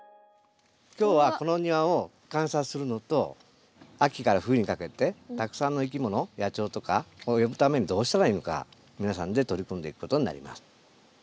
今日はこの庭を観察するのと秋から冬にかけてたくさんのいきもの野鳥とかを呼ぶためにどうしたらいいのか皆さんで取り組んでいくことになります。